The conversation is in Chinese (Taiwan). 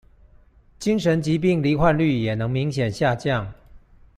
精神疾病罹患率也能明顯下降